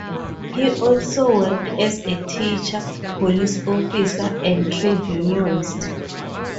He also worked as a teacher, police officer, and trade unionist.